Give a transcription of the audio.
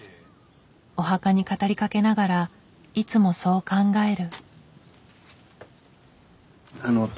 お墓に語りかけながらいつもそう考える。